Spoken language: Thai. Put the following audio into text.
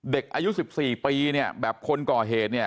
เด็กอายุ๑๔ปีแบบคนก่อเหตุ